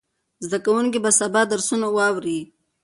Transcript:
زده کوونکي به سبا درسونه واوري.